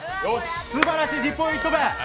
すばらしい、２ポイント目。